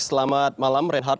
selamat malam renhard